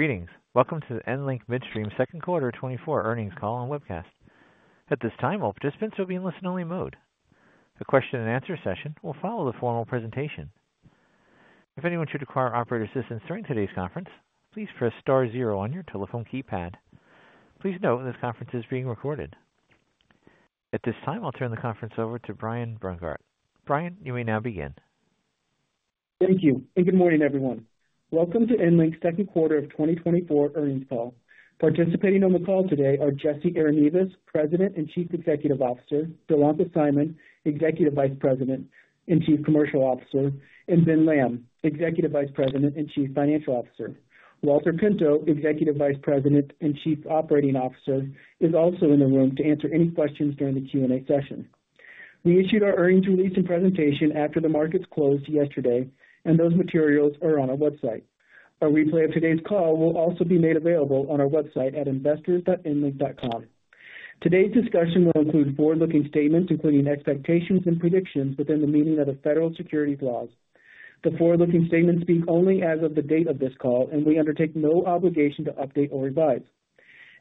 Greetings. Welcome to the EnLink Midstream second quarter 2024 earnings call and webcast. At this time, all participants will be in listen-only mode. A question-and-answer session will follow the formal presentation. If anyone should require operator assistance during today's conference, please press star zero on your telephone keypad. Please note, this conference is being recorded. At this time, I'll turn the conference over to Brian Brungardt. Brian, you may now begin. Thank you, and good morning, everyone. Welcome to EnLink's second quarter of 2024 earnings call. Participating on the call today are Jesse Arenivas, President and Chief Executive Officer; Dilanka Seimon, Executive Vice President and Chief Commercial Officer; and Ben Lamb, Executive Vice President and Chief Financial Officer. Walter Pinto, Executive Vice President and Chief Operating Officer, is also in the room to answer any questions during the Q&A session. We issued our earnings release and presentation after the markets closed yesterday, and those materials are on our website. A replay of today's call will also be made available on our website at investors.enlink.com. Today's discussion will include forward-looking statements, including expectations and predictions within the meaning of the federal securities laws. The forward-looking statements speak only as of the date of this call, and we undertake no obligation to update or revise.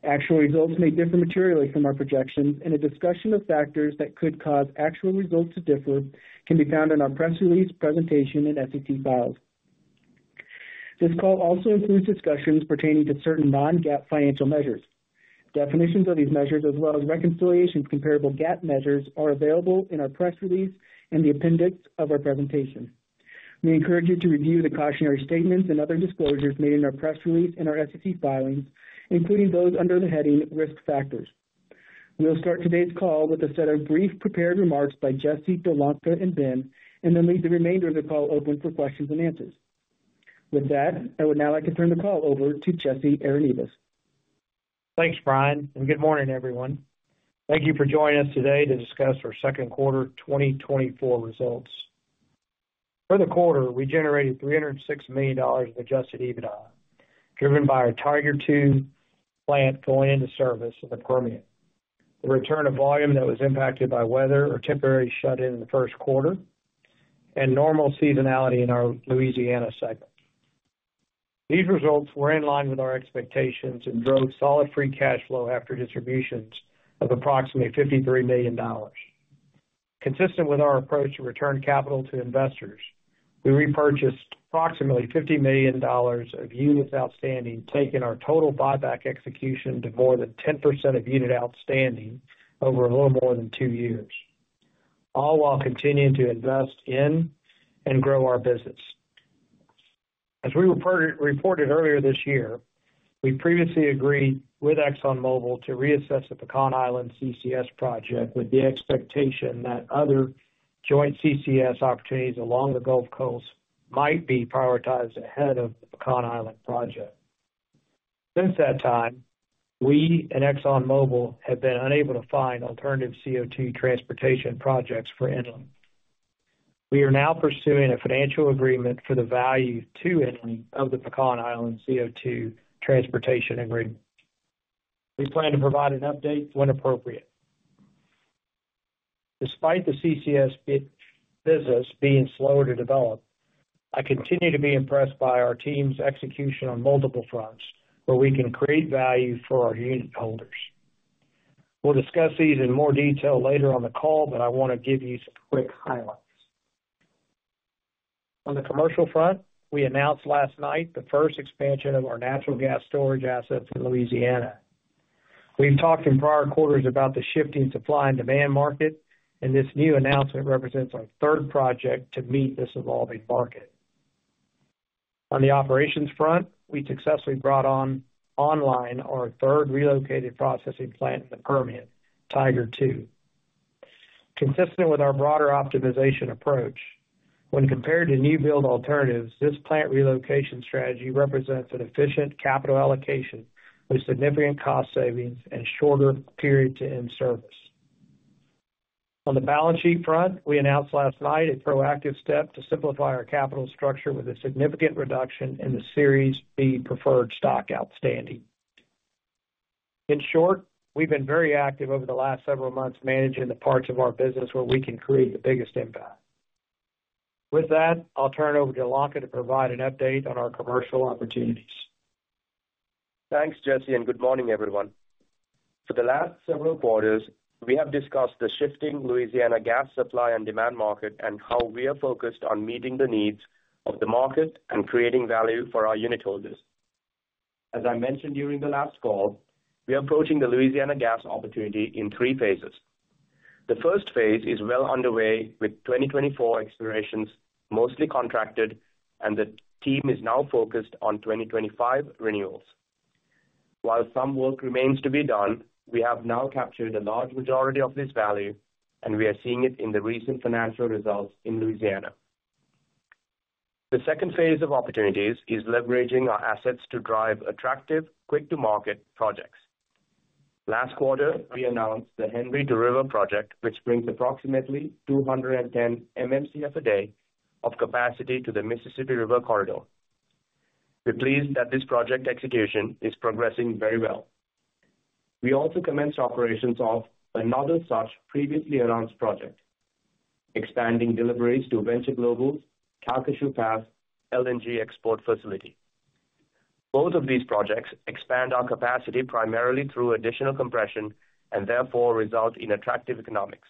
Actual results may differ materially from our projections, and a discussion of factors that could cause actual results to differ can be found in our press release, presentation, and SEC filings. This call also includes discussions pertaining to certain non-GAAP financial measures. Definitions of these measures, as well as reconciliation to comparable GAAP measures, are available in our press release and the appendix of our presentation. We encourage you to review the cautionary statements and other disclosures made in our press release and our SEC filings, including those under the heading Risk Factors. We'll start today's call with a set of brief prepared remarks by Jesse, Dilanka, and Ben, and then leave the remainder of the call open for questions and answers. With that, I would now like to turn the call over to Jesse Arenivas. Thanks, Brian, and good morning, everyone. Thank you for joining us today to discuss our second quarter 2024 results. For the quarter, we generated $306 million of adjusted EBITDA, driven by our Tiger II plant going into service with the Permian. The return of volume that was impacted by weather or temporary shut-in the first quarter and normal seasonality in our Louisiana segment. These results were in line with our expectations and drove solid free cash flow after distributions of approximately $53 million. Consistent with our approach to return capital to investors, we repurchased approximately $50 million of units outstanding, taking our total buyback execution to more than 10% of units outstanding over a little more than 2 years, all while continuing to invest in and grow our business. As we reported earlier this year, we previously agreed with ExxonMobil to reassess the Pecan Island CCS project, with the expectation that other joint CCS opportunities along the Gulf Coast might be prioritized ahead of the Pecan Island project. Since that time, we and ExxonMobil have been unable to find alternative CO2 transportation projects for EnLink. We are now pursuing a financial agreement for the value to EnLink of the Pecan Island CO2 transportation agreement. We plan to provide an update when appropriate. Despite the CCS business being slower to develop, I continue to be impressed by our team's execution on multiple fronts, where we can create value for our unitholders. We'll discuss these in more detail later on the call, but I want to give you some quick highlights. On the commercial front, we announced last night the first expansion of our natural gas storage assets in Louisiana. We've talked in prior quarters about the shifting supply and demand market, and this new announcement represents our third project to meet this evolving market. On the operations front, we successfully brought on online our third relocated processing plant in the Permian, Tiger II. Consistent with our broader optimization approach, when compared to new build alternatives, this plant relocation strategy represents an efficient capital allocation with significant cost savings and shorter period to in-service. On the balance sheet front, we announced last night a proactive step to simplify our capital structure with a significant reduction in the Series B Preferred Stock outstanding. In short, we've been very active over the last several months, managing the parts of our business where we can create the biggest impact. With that, I'll turn it over to Dilanka to provide an update on our commercial opportunities. Thanks, Jesse, and good morning, everyone. For the last several quarters, we have discussed the shifting Louisiana gas supply and demand market and how we are focused on meeting the needs of the market and creating value for our unit holders. As I mentioned during the last call, we are approaching the Louisiana gas opportunity in three phases. The first phase is well underway, with 2024 expirations mostly contracted, and the team is now focused on 2025 renewals. While some work remains to be done, we have now captured a large majority of this value, and we are seeing it in the recent financial results in Louisiana. The second phase of opportunities is leveraging our assets to drive attractive, quick-to-market projects. Last quarter, we announced the Henry-to-River project, which brings approximately 210 MMcf a day of capacity to the Mississippi River corridor. We're pleased that this project execution is progressing very well. We also commenced operations of another such previously announced project, expanding deliveries to Venture Global's Calcasieu Pass LNG export facility. Both of these projects expand our capacity primarily through additional compression and therefore result in attractive economics.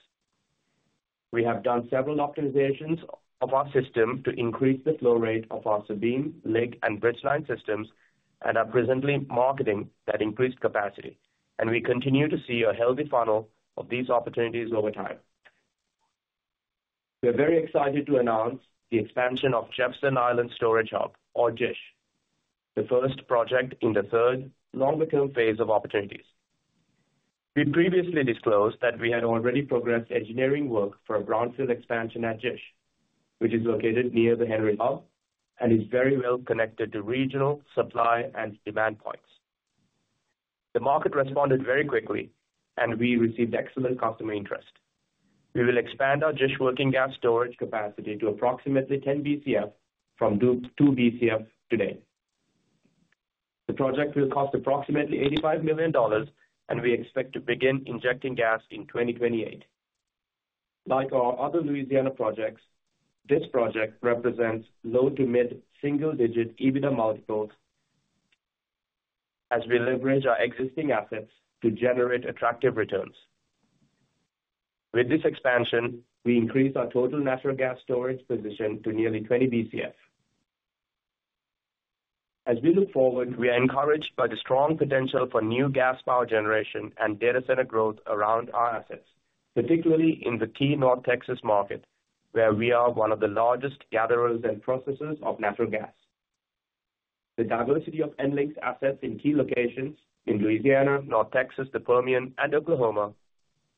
We have done several optimizations of our system to increase the flow rate of our Sabine Lake and Bridgeline systems, and are presently marketing that increased capacity, and we continue to see a healthy funnel of these opportunities over time. We are very excited to announce the expansion of Jefferson Island Storage Hub, or JISH, the first project in the third long-term phase of opportunities. We previously disclosed that we had already progressed engineering work for a brownfield expansion at JISH, which is located near the Henry Hub and is very well connected to regional supply and demand points. The market responded very quickly, and we received excellent customer interest. We will expand our JISH working gas storage capacity to approximately 10 Bcf from 2 Bcf today. The project will cost approximately $85 million, and we expect to begin injecting gas in 2028. Like our other Louisiana projects, this project represents low- to mid-single-digit EBITDA multiples as we leverage our existing assets to generate attractive returns. With this expansion, we increase our total natural gas storage position to nearly 20 Bcf. As we look forward, we are encouraged by the strong potential for new gas power generation and data center growth around our assets, particularly in the key North Texas market, where we are one of the largest gatherers and processors of natural gas. The diversity of EnLink's assets in key locations in Louisiana, North Texas, the Permian, and Oklahoma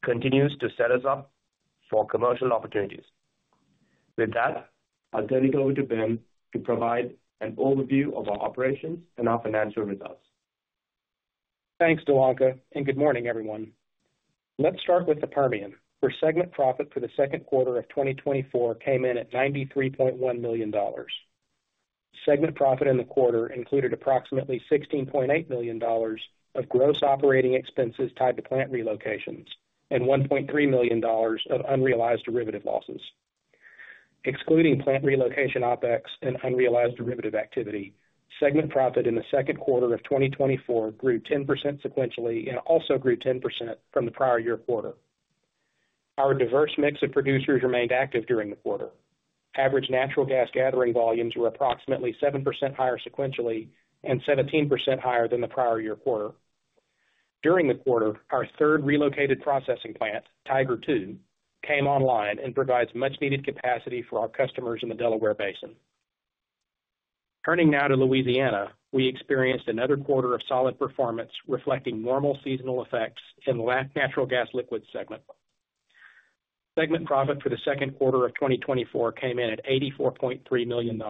continues to set us up for commercial opportunities. With that, I'll turn it over to Ben to provide an overview of our operations and our financial results. Thanks, Dilanka, and good morning, everyone. Let's start with the Permian, where segment profit for the second quarter of 2024 came in at $93.1 million. Segment profit in the quarter included approximately $16.8 million of gross operating expenses tied to plant relocations and $1.3 million of unrealized derivative losses. Excluding plant relocation OpEx and unrealized derivative activity, segment profit in the second quarter of 2024 grew 10% sequentially and also grew 10% from the prior year quarter. Our diverse mix of producers remained active during the quarter. Average natural gas gathering volumes were approximately 7% higher sequentially and 17% higher than the prior year quarter. During the quarter, our third relocated processing plant, Tiger II, came online and provides much needed capacity for our customers in the Delaware Basin. Turning now to Louisiana, we experienced another quarter of solid performance, reflecting normal seasonal effects in the last natural gas liquid segment. Segment profit for the second quarter of 2024 came in at $84.3 million,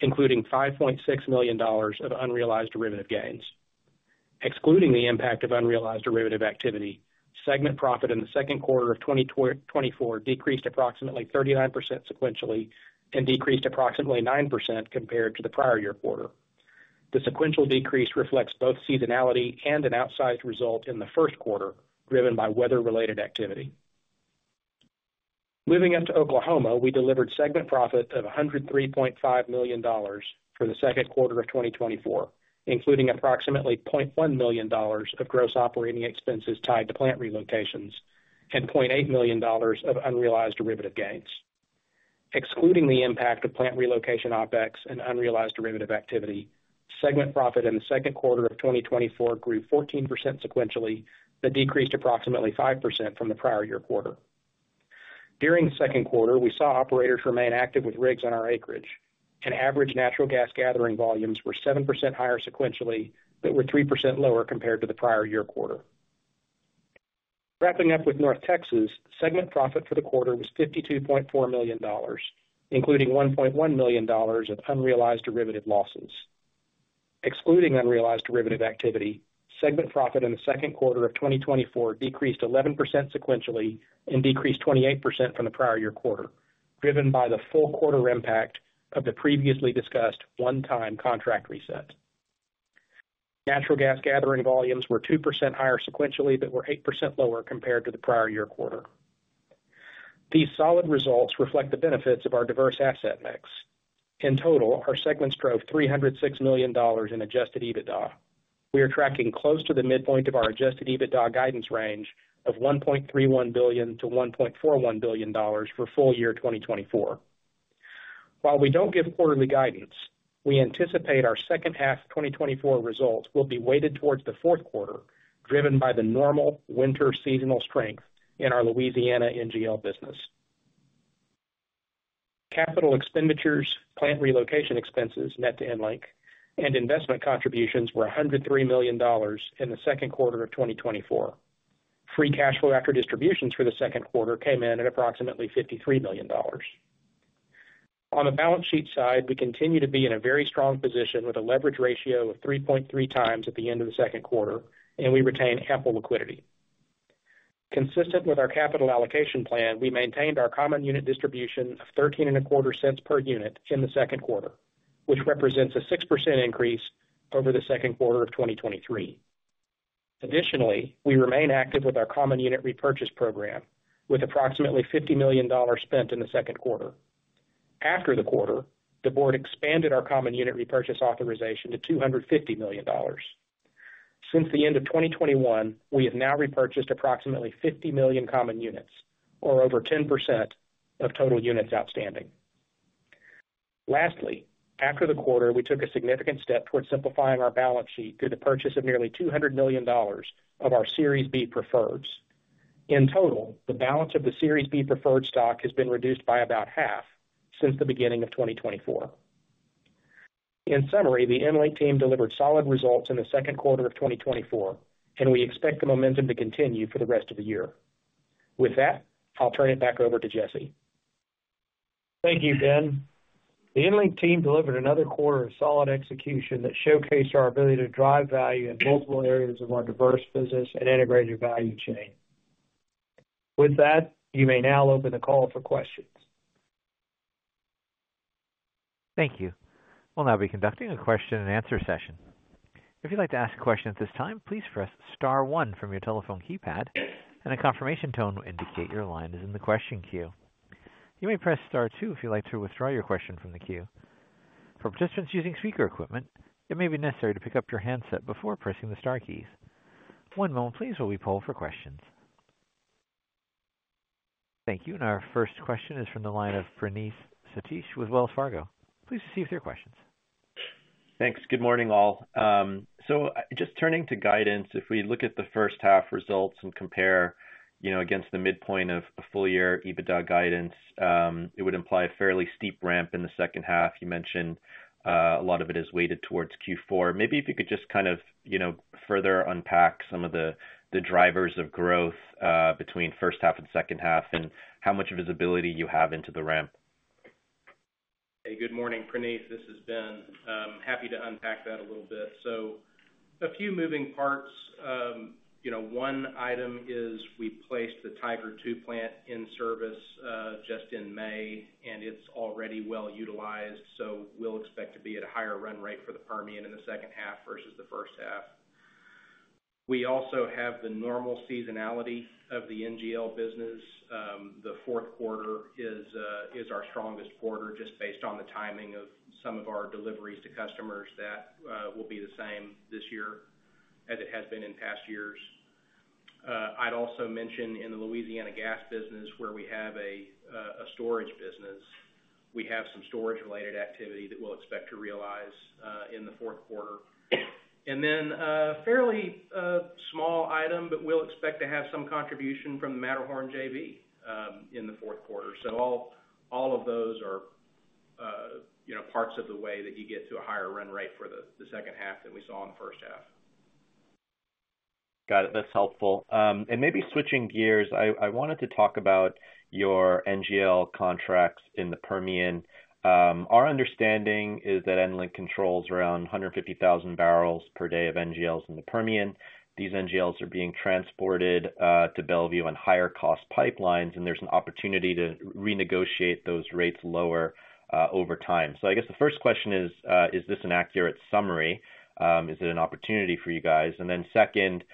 including $5.6 million of unrealized derivative gains. Excluding the impact of unrealized derivative activity, segment profit in the second quarter of 2024 decreased approximately 39% sequentially and decreased approximately 9% compared to the prior year quarter. The sequential decrease reflects both seasonality and an outsized result in the first quarter, driven by weather-related activity. Moving up to Oklahoma, we delivered segment profit of $103.5 million for the second quarter of 2024, including approximately $0.1 million of gross operating expenses tied to plant relocations and $0.8 million of unrealized derivative gains. Excluding the impact of plant relocation, OpEx, and unrealized derivative activity, segment profit in the second quarter of 2024 grew 14% sequentially, but decreased approximately 5% from the prior year quarter. During the second quarter, we saw operators remain active with rigs on our acreage, and average natural gas gathering volumes were 7% higher sequentially, but were 3% lower compared to the prior year quarter. Wrapping up with North Texas, segment profit for the quarter was $52.4 million, including $1.1 million of unrealized derivative losses. Excluding unrealized derivative activity, segment profit in the second quarter of 2024 decreased 11% sequentially and decreased 28% from the prior year quarter, driven by the full quarter impact of the previously discussed one-time contract reset. Natural gas gathering volumes were 2% higher sequentially, but were 8% lower compared to the prior year quarter. These solid results reflect the benefits of our diverse asset mix. In total, our segments drove $306 million in Adjusted EBITDA. We are tracking close to the midpoint of our Adjusted EBITDA guidance range of $1.31 billion-$1.41 billion for full year 2024. While we don't give quarterly guidance, we anticipate our second half 2024 results will be weighted towards the fourth quarter, driven by the normal winter seasonal strength in our Louisiana NGL business. Capital expenditures, plant relocation expenses, net to EnLink, and investment contributions were $103 million in the second quarter of 2024. Free cash flow after distributions for the second quarter came in at approximately $53 million. On the balance sheet side, we continue to be in a very strong position with a leverage ratio of 3.3 times at the end of the second quarter, and we retain ample liquidity. Consistent with our capital allocation plan, we maintained our common unit distribution of $0.1325 per unit in the second quarter, which represents a 6% increase over the second quarter of 2023. Additionally, we remain active with our common unit repurchase program, with approximately $50 million spent in the second quarter. After the quarter, the board expanded our common unit repurchase authorization to $250 million. Since the end of 2021, we have now repurchased approximately 50 million common units, or over 10% of total units outstanding. Lastly, after the quarter, we took a significant step towards simplifying our balance sheet through the purchase of nearly $200 million of our Series B Preferred Stock. In total, the balance of the Series B Preferred Stock has been reduced by about half since the beginning of 2024. In summary, the EnLink team delivered solid results in the second quarter of 2024, and we expect the momentum to continue for the rest of the year. With that, I'll turn it back over to Jesse. Thank you, Ben. The EnLink team delivered another quarter of solid execution that showcased our ability to drive value in multiple areas of our diverse business and integrated value chain. With that, you may now open the call for questions. Thank you. We'll now be conducting a question and answer session. If you'd like to ask a question at this time, please press star one from your telephone keypad, and a confirmation tone will indicate your line is in the question queue. You may press star two if you'd like to withdraw your question from the queue. For participants using speaker equipment, it may be necessary to pick up your handset before pressing the star keys. One moment please, while we poll for questions. Thank you. Our first question is from the line of Praneeth Satish with Wells Fargo. Please proceed with your questions. Thanks. Good morning, all. So just turning to guidance, if we look at the first half results and compare, you know, against the midpoint of a full-year EBITDA guidance, it would imply a fairly steep ramp in the second half. You mentioned, a lot of it is weighted towards Q4. Maybe if you could just kind of, you know, further unpack some of the drivers of growth, between first half and second half, and how much visibility you have into the ramp. Hey, good morning, Praneeth. This is Ben. Happy to unpack that a little bit. So a few moving parts. You know, one item is we placed the Tiger II plant in service just in May, and it's already well utilized, so we'll expect to be at a higher run rate for the Permian in the second half versus the first half. We also have the normal seasonality of the NGL business. The fourth quarter is our strongest quarter, just based on the timing of some of our deliveries to customers that will be the same this year as it has been in past years. I'd also mention in the Louisiana gas business, where we have a storage business, we have some storage-related activity that we'll expect to realize in the fourth quarter. And then, fairly, small item, but we'll expect to have some contribution from the Matterhorn JV in the fourth quarter. So all of those are, you know, parts of the way that you get to a higher run rate for the second half than we saw in the first half. Got it. That's helpful. And maybe switching gears, I, I wanted to talk about your NGL contracts in the Permian. Our understanding is that EnLink controls around 150,000 bbl per day of NGLs in the Permian. These NGLs are being transported to Belvieu on higher-cost pipelines, and there's an opportunity to renegotiate those rates lower over time. So I guess the first question is, is this an accurate summary? Is it an opportunity for you guys? And then second,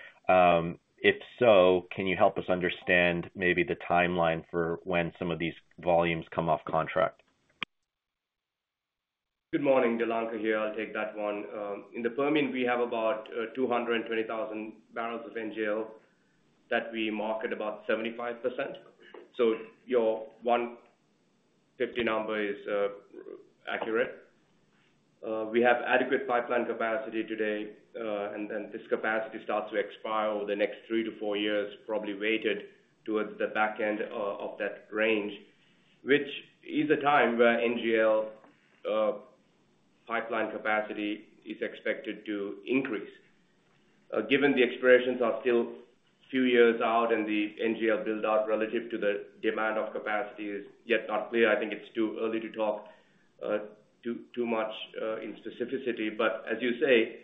if so, can you help us understand maybe the timeline for when some of these volumes come off contract? Good morning, Dilanka here. I'll take that one. In the Permian, we have about 220,000 bbl of NGL that we market about 75%. So your 150 number is accurate. We have adequate pipeline capacity today, and then this capacity starts to expire over the next 3-4 years, probably weighted towards the back end of that range, which is a time where NGL pipeline capacity is expected to increase. Given the expirations are still a few years out and the NGL build-out relative to the demand of capacity is yet not clear, I think it's too early to talk too much in specificity. But as you say,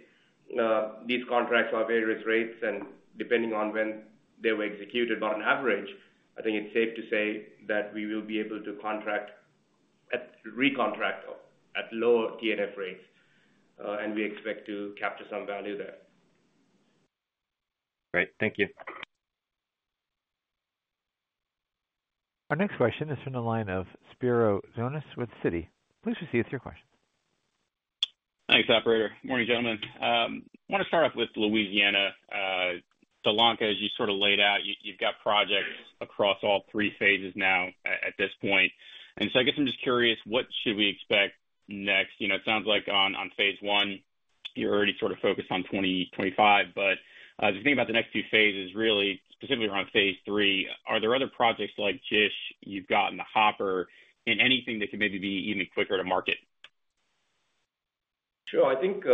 these contracts are various rates and depending on when they were executed. But on average, I think it's safe to say that we will be able to recontract at lower T&F rates, and we expect to capture some value there. Great. Thank you. Our next question is from the line of Spiro Dounis with Citi. Please proceed with your question. Thanks, operator. Morning, gentlemen. I want to start off with Louisiana. Dilanka, as you sort of laid out, you've got projects across all three phases now at this point. And so I guess I'm just curious, what should we expect next? You know, it sounds like on phase one, you're already sort of focused on 2025, but if you think about the next two phases, really specifically around phase three, are there other projects like JISH you've got in the hopper and anything that could maybe be even quicker to market? Sure. I think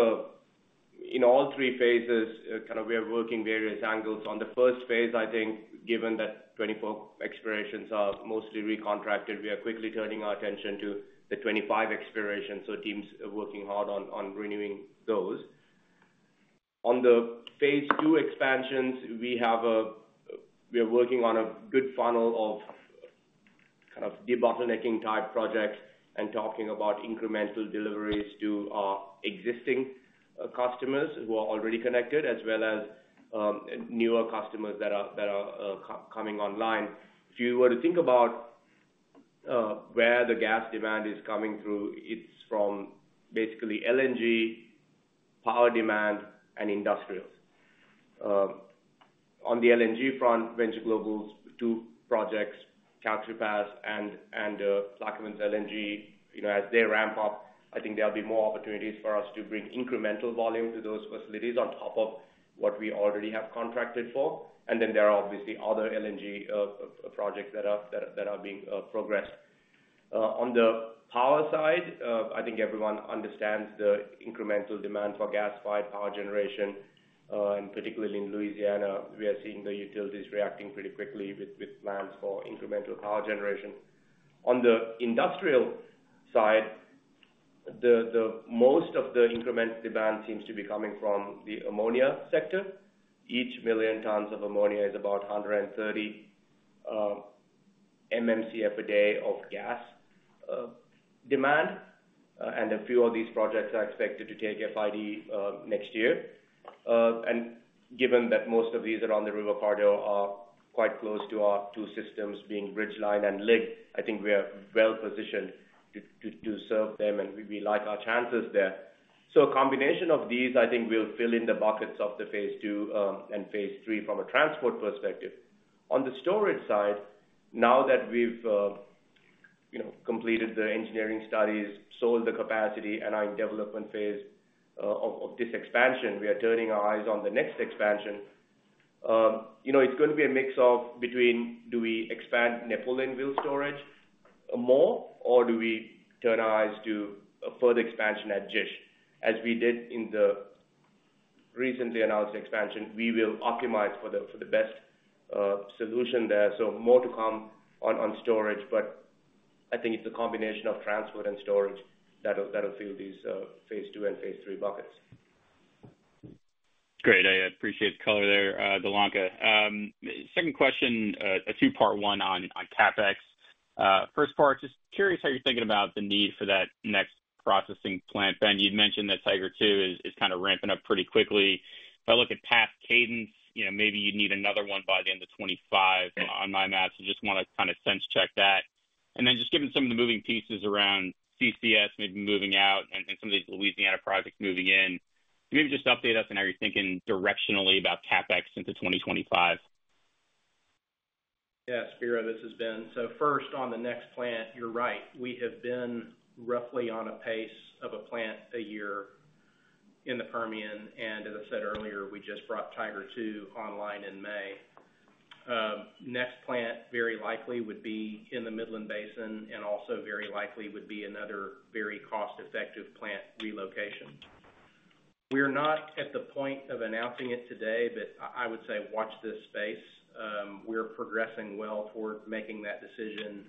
in all three phases, kind of we are working various angles. On the first phase, I think given that 2024 expirations are mostly recontracted, we are quickly turning our attention to the 2025 expirations, so teams are working hard on renewing those. On the phase two expansions, we are working on a good funnel of kind of debottlenecking type projects and talking about incremental deliveries to our existing customers who are already connected, as well as newer customers that are coming online. If you were to think about where the gas demand is coming through, it's from basically LNG, power demand, and industrial. On the LNG front, Venture Global's two projects, Calcasieu Pass and Plaquemines LNG, you know, as they ramp up, I think there'll be more opportunities for us to bring incremental volume to those facilities on top of what we already have contracted for. And then there are obviously other LNG projects that are being progressed. On the power side, I think everyone understands the incremental demand for gas-fired power generation, and particularly in Louisiana, we are seeing the utilities reacting pretty quickly with plans for incremental power generation. On the industrial side, most of the incremental demand seems to be coming from the ammonia sector. Each million tons of ammonia is about 130 MMcf/d of gas demand, and a few of these projects are expected to take FID next year. And given that most of these are on the river corridor are quite close to our two systems, being Bridgeline and LIG, I think we are well positioned to serve them, and we like our chances there. So a combination of these, I think, will fill in the buckets of the phase two and phase three from a transport perspective. On the storage side, now that we've you know completed the engineering studies, sold the capacity, and are in development phase of this expansion, we are turning our eyes on the next expansion. You know, it's gonna be a mix of between, do we expand Napoleonville Storage more, or do we turn our eyes to a further expansion at JISH? As we did in the recently announced expansion, we will optimize for the best solution there. So more to come on storage, but I think it's a combination of transport and storage that'll fill these phase II and phase III buckets. Great. I appreciate the color there, Dilanka. Second question, a two-part one on CapEx. First part, just curious how you're thinking about the need for that next processing plant. Ben, you'd mentioned that Tiger II is kind of ramping up pretty quickly. If I look at past cadence, you know, maybe you'd need another one by the end of 25 on my math, so just wanna kind of sense check that. And then just given some of the moving pieces around CCS maybe moving out and some of these Louisiana projects moving in, maybe just update us on how you're thinking directionally about CapEx into 2025. Yeah, Spiro, this is Ben. So first, on the next plant, you're right. We have been roughly on a pace of a plant a year in the Permian, and as I said earlier, we just brought Tiger II online in May. Next plant very likely would be in the Midland Basin and also very likely would be another very cost-effective plant relocation. We're not at the point of announcing it today, but I would say watch this space. We're progressing well toward making that decision,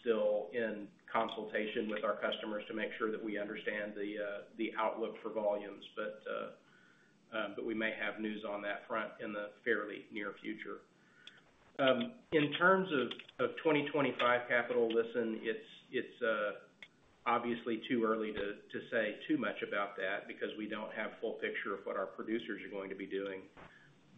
still in consultation with our customers to make sure that we understand the, the outlook for volumes. But, but we may have news on that front in the fairly near future. In terms of 2025 capital, listen, it's obviously too early to say too much about that because we don't have full picture of what our producers are going to be doing.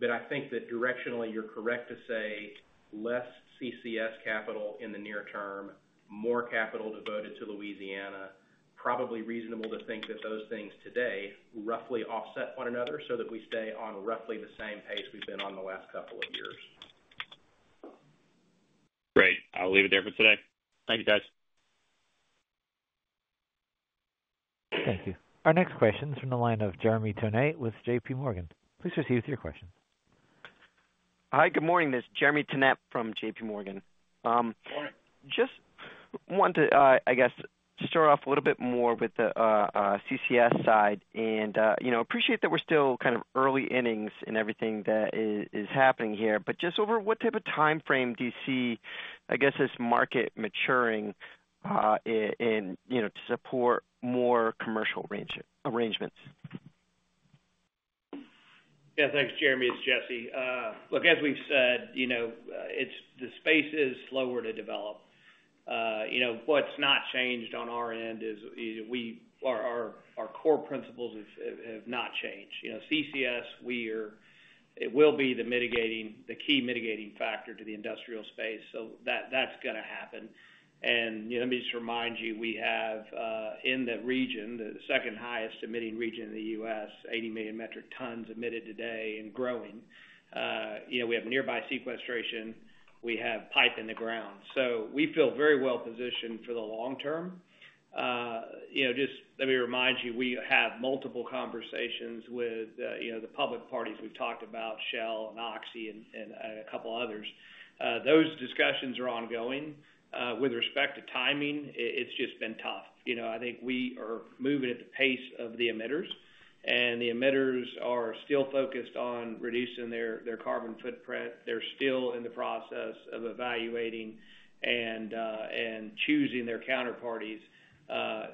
But I think that directionally, you're correct to say less CCS capital in the near term, more capital devoted to Louisiana, probably reasonable to think that those things today roughly offset one another so that we stay on roughly the same pace we've been on the last couple of years. Great. I'll leave it there for today. Thank you, guys. Thank you. Our next question is from the line of Jeremy Tonet with JPMorgan. Please proceed with your question. Hi, good morning. This is Jeremy Tonet from JPMorgan. Good morning. Just wanted to, I guess, start off a little bit more with the CCS side, and, you know, appreciate that we're still kind of early innings in everything that is happening here. But just over what type of timeframe do you see, I guess, this market maturing, you know, to support more commercial arrangements? Yeah, thanks, Jeremy. It's Jesse. Look, as we've said, you know, it's the space is slower to develop. You know, what's not changed on our end is our core principles have not changed. You know, CCS, it will be the key mitigating factor to the industrial space, so that's gonna happen. And, you know, let me just remind you, we have in the region, the second highest emitting region in the US, 80 million metric tons emitted today and growing. You know, we have nearby sequestration, we have pipe in the ground. So we feel very well positioned for the long term. You know, just let me remind you, we have multiple conversations with, you know, the usual parties. We've talked about Shell and Oxy and a couple others. Those discussions are ongoing. With respect to timing, it's just been tough. You know, I think we are moving at the pace of the emitters, and the emitters are still focused on reducing their carbon footprint. They're still in the process of evaluating and choosing their counterparties.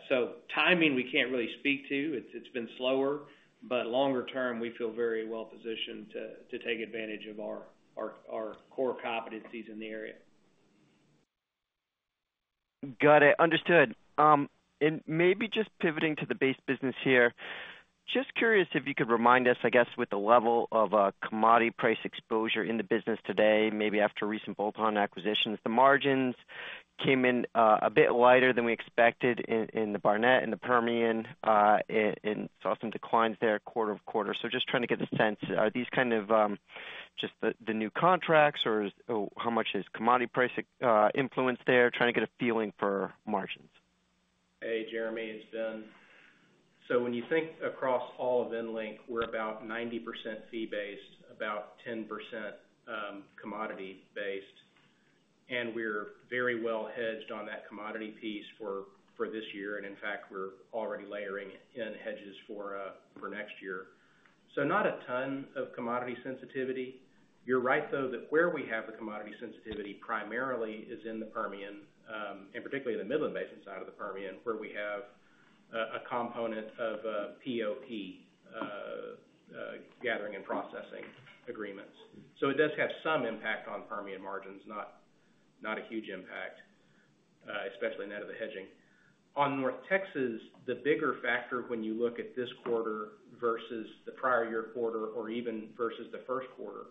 So, timing, we can't really speak to. It's been slower, but longer term, we feel very well positioned to take advantage of our core competencies in the area. Got it. Understood. And maybe just pivoting to the base business here. Just curious if you could remind us, I guess, with the level of commodity price exposure in the business today, maybe after recent bolt-on acquisitions. The margins came in a bit lighter than we expected in the Barnett and the Permian and saw some declines there quarter-over-quarter. So just trying to get the sense, are these kind of just the new contracts, or is or how much is commodity price influence there? Trying to get a feeling for margins. Hey, Jeremy, it's Ben. So when you think across all of EnLink, we're about 90% fee-based, about 10%, commodity-based, and we're very well hedged on that commodity piece for this year. And in fact, we're already layering in hedges for next year. So not a ton of commodity sensitivity. You're right, though, that where we have the commodity sensitivity primarily is in the Permian, and particularly in the Midland Basin side of the Permian, where we have a component of POP gathering and processing agreements. So it does have some impact on Permian margins, not a huge impact, especially net of the hedging. On North Texas, the bigger factor when you look at this quarter versus the prior year quarter or even versus the first quarter,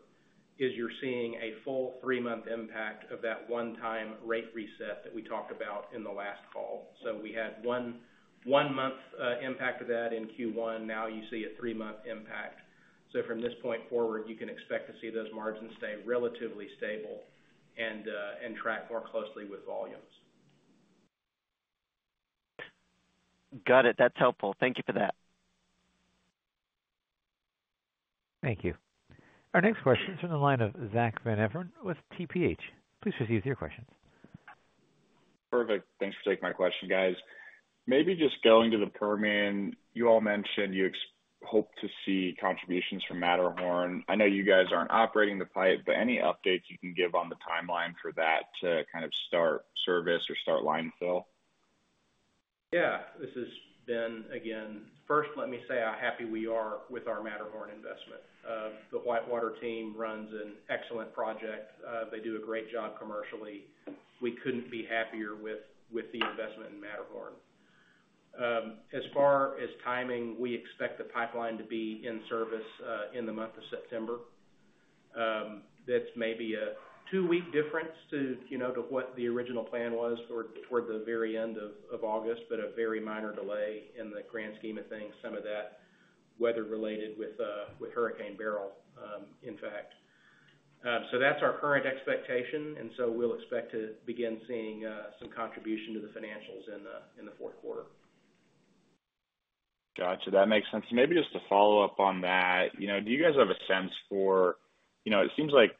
is you're seeing a full three-month impact of that one-time rate reset that we talked about in the last call. So we had one month impact of that in Q1. Now you see a three-month impact. So from this point forward, you can expect to see those margins stay relatively stable and track more closely with volumes. Got it. That's helpful. Thank you for that. Thank you. Our next question is from the line of Zack Van Everen with TPH. Please proceed with your questions. Perfect. Thanks for taking my question, guys. Maybe just going to the Permian, you all mentioned you expect to see contributions from Matterhorn. I know you guys aren't operating the pipe, but any updates you can give on the timeline for that to kind of start service or start line fill? Yeah. This is Ben again. First, let me say how happy we are with our Matterhorn investment. The WhiteWater team runs an excellent project. They do a great job commercially. We couldn't be happier with, with the investment in Matterhorn. As far as timing, we expect the pipeline to be in service, in the month of September. That's maybe a two-week difference to, you know, to what the original plan was toward, toward the very end of, of August, but a very minor delay in the grand scheme of things, some of that weather-related with, with Hurricane Beryl, in fact. So that's our current expectation, and so we'll expect to begin seeing, some contribution to the financials in the, in the fourth quarter. Got you. That makes sense. Maybe just to follow up on that, you know, do you guys have a sense for... You know, it seems like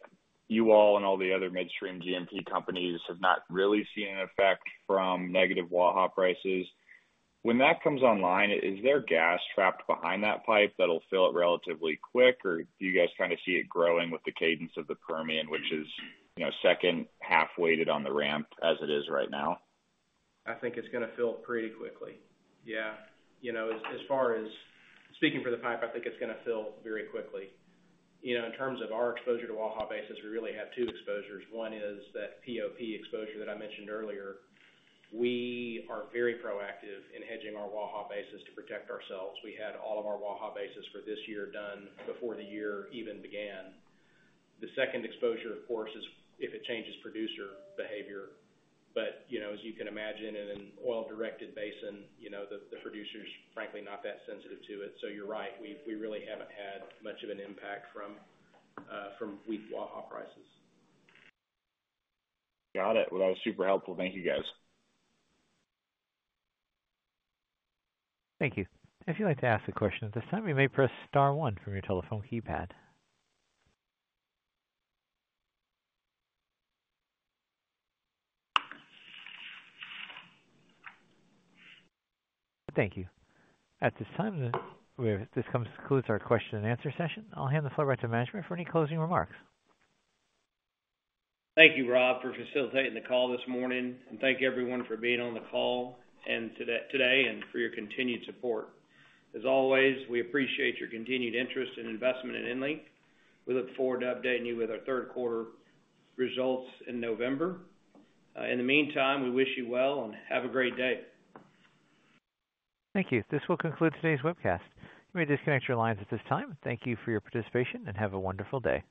you all and all the other midstream MLP companies have not really seen an effect from negative Waha prices. When that comes online, is there gas trapped behind that pipe that'll fill it relatively quick, or do you guys kind of see it growing with the cadence of the Permian, which is, you know, second half weighted on the ramp as it is right now? I think it's going to fill pretty quickly. Yeah. You know, as far as speaking for the pipe, I think it's going to fill very quickly. You know, in terms of our exposure to Waha basis, we really have two exposures. One is that POP exposure that I mentioned earlier. We are very proactive in hedging our Waha basis to protect ourselves. We had all of our Waha basis for this year done before the year even began. The second exposure, of course, is if it changes producer behavior. But, you know, as you can imagine, in an oil-directed basin, you know, the producer's frankly not that sensitive to it. So you're right, we've... we really haven't had much of an impact from weak Waha prices. Got it. Well, that was super helpful. Thank you, guys. Thank you. If you'd like to ask a question at this time, you may press star one from your telephone keypad. Thank you. At this time, this concludes our question and answer session. I'll hand the floor back to management for any closing remarks. Thank you, Rob, for facilitating the call this morning, and thank everyone for being on the call and to that today, and for your continued support. As always, we appreciate your continued interest and investment in EnLink. We look forward to updating you with our third quarter results in November. In the meantime, we wish you well, and have a great day. Thank you. This will conclude today's webcast. You may disconnect your lines at this time. Thank you for your participation, and have a wonderful day.